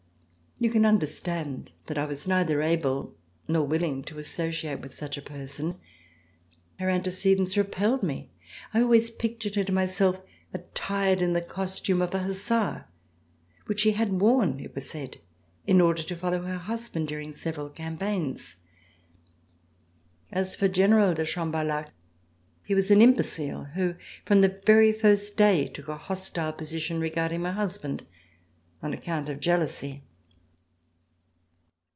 You can understand that I was neither able nor willing to associate with such a person. Her ante cedents repelled me. I always pictured her to myself, attired in the costume of a hussar which she had worn, it was said, in order to follow her husband during several campaigns. As for General de Cham barlhac, he was an imbecile who, from the very first day, took a hostile position regarding my husband on account of jealousy.